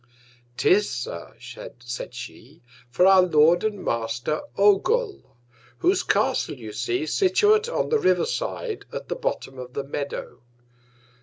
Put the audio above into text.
'Tis, Sir, said she, for our Lord and Master Ogul, whose Castle, you see, situate on the River side, at the Bottom of the Meadow.